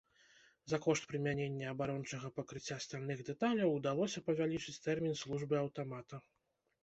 За кошт прымянення абарончага пакрыцця стальных дэталяў удалося павялічыць тэрмін службы аўтамата.